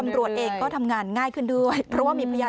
ตำรวจเอกก็ทำงานง่ายขึ้นด้วย